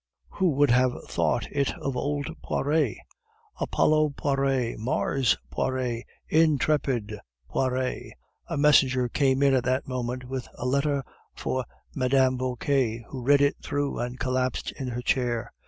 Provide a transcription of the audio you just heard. "Who would have thought it of old Poiret!" "Apollo Poiret!" "Mars Poiret!" "Intrepid Poiret!" A messenger came in at that moment with a letter for Mme. Vauquer, who read it through, and collapsed in her chair.